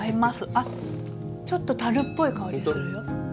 あっちょっとたるっぽい香りするよ。